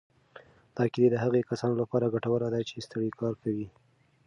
دا کیله د هغو کسانو لپاره ګټوره ده چې ستړی کار کوي.